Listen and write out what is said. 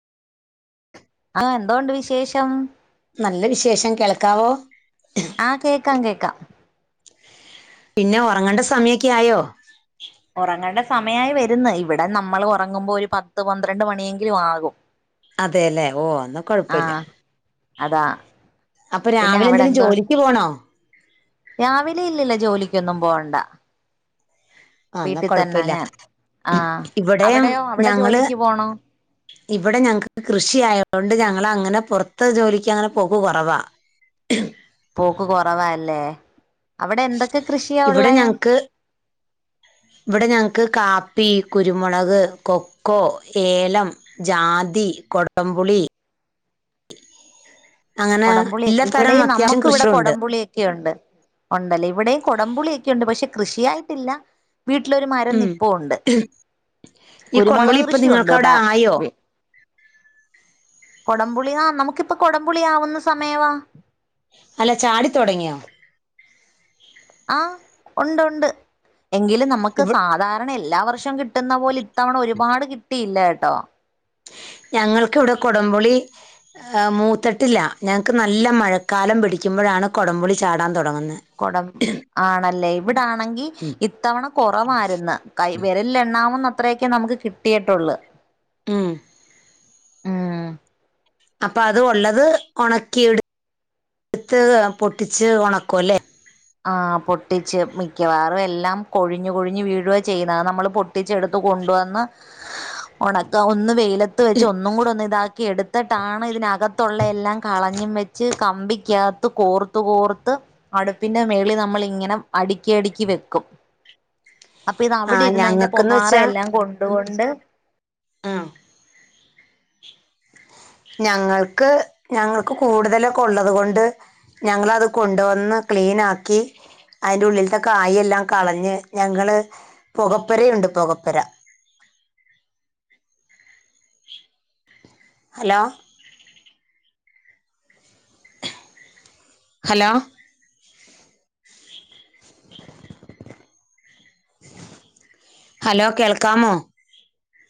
ആഹ് എന്തോണ്ട് വിശേഷം നല്ല വിശേഷം കേൾക്കാവോ ആഹ് കേക്കാം കേക്കാം പിന്നെ ഒറങ്ങെണ്ട സമയൊക്കെ ആയോ. ഒറങ്ങേണ്ട സമയാ ഈ വെരുന്നെ. ഇവിടെ നമ്മള് ഒറങ്ങുമ്പം ഒരു പത്ത് പന്ത്രണ്ട് മണിയെങ്കിലും ആകും. അതേല്ലെ ഓ അന്ന കൊഴപ്പില്ല. ആഹ് അതാ പിന്നെ അവിടെ എന്തോണ്ട്. രാവിലെ ഇല്ലല്ല ജോലിക്കൊന്നും പോവണ്ട. ആ എന്നാ വീട്ടി തന്നെ കുഴപ്പമില്ല ഞാൻ. ആഹ് ഇവിടെ അവിടെയോ അവിടെ ജോലിക്ക് പോണോ. ഇബെടെ ഞങ്ങക്ക് കൃഷി ആയോണ്ട് ഞങ്ങള് അങ്ങനെ പൊറത്ത് ജോലിക്ക് അങ്ങനെ പോക്ക് കൊറവ. പോക്ക് കൊറവാല്ലേ. ഇവിടെ ഞങ്ങക്ക് ഇബെടെ ഞങ്ങക്ക് കാപ്പി, കുരുമുളക്, കൊക്കോ, ഏലം ജാതി, കൊടംപുളി, അങ്ങനെ കൊടമ്പപുളിക്ക് എല്ലാത്തരം ഇവിടെയും അത്യാവശ്യം നമക്ക് ഇവിടെ കൃഷിയുണ്ട് കൊടപുളിയെ ഒക്കെയുണ്ട്. ഉണ്ടല്ലേ ഇവിടെയും കൊടംപുളിയൊക്കെ ഉണ്ട്. പക്ഷെ കൃഷിയായിട്ടില്ല. വീട്ടിലൊരു മരം ഉം നിപ്പോണ്ട് ഈ കുരുമുളക് കൊടംപുളി ഇപ്പൊ നിങ്ങൾക്ക് കൃഷിയുണ്ട് അവിടെ ബാ ആയോ ബി. കൊടംപുളി ആഹ് നമുക്കിപ്പ കൊടംപുളി ആവുന്ന സമയവാ. അല്ല ചാടിത്തൊടങ്ങിയോ. ആഹ് ഉണ്ട് ഉണ്ട്. എങ്കിലും നമക്ക് ഇവ- സാധാരണ എല്ലാ വർഷവും കിട്ടുന്ന പോലെ ഇത്തവണ ഒരുപാട് കിട്ടിയില്ലാട്ടോ. ഞങ്ങൾക്കിവിടെ കൊടംപുളി ആ മൂത്തട്ടില്ല. ഞങ്ങക്ക് നല്ല മഴക്കാലം പിടിക്കുമ്പഴാണ് കൊടംപുളി ചാടാൻ തൊടങ്ങുന്നെ. കൊടം ആണെല്ലേ ഇവിട ആണെങ്കി. ഉം. ഇത്തവണ കൊറവാര്ന്ന്. കൈ വെരലില് എണ്ണാവുന്ന അത്രയൊക്കെ നമുക്ക് കിട്ടിയിട്ടുള്ള്. ഉം ഉം അപ്പൊ അത് ഉള്ളത് ഒണക്കി ഇടു ഇടുത്ത് പൊട്ടിച്ച് ഒണക്കു അല്ലേ. ആ പൊട്ടിച്ച് മിക്കവാറും എല്ലാം കൊഴിഞ്ഞു കൊഴിഞ് വീഴ്വ ചെയ്ണത് അത് നമ്മള് പൊട്ടി.. ട്ടിച്ചെടുത്ത് കൊണ്ടുവന്ന്. ഉണക്കുക ഒന്ന് വെയിലത്ത് വെച്ച് ഒന്നും കൂടി ഒന്ന് ഇതാക്കി എടുത്തിട്ടാണ് ഇതിനക കത്തുള്ള എല്ലാം കളഞ്ഞും വെച്ച് കമ്പിക്കകത്ത് കോർത്ത് കോർത്ത് അടു പിന്നെ മേളിൽ നമ്മള് ഇങ്ങനെ അടുക്കി അടുക്കി വെക്കും അപ്പൊ ഇത് ആ അവിടെ ഇരുന്ന് അതിന്റെ ഞങ്ങൾക്കെന്ന് പൊഹാറ വെച്ചാ എല്ലാം കൊണ്ട് കൊണ്ട് ആഹ് ഞങ്ങൾക്ക് ഞങ്ങൾക്ക് കൂടുതലൊക്കെ ഉള്ളത് കൊണ്ട് ഞങ്ങളത് കൊണ്ടുവന്ന് ക്ലീനാക്കി അതിന്റെ ഉള്ളിലത്തെ കായെല്ലാം കളഞ്ഞ് ഞങ്ങള് പുകപ്പൊരയുണ്ട് പുകപ്പൊര ഹലോ ഹലോ ഹലോ കേൾക്കാമോ